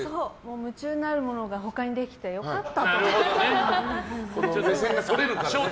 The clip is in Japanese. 夢中になるものが他にできて良かった。